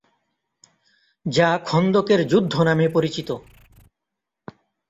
যা খন্দকের যুদ্ধ নামে পরিচিত।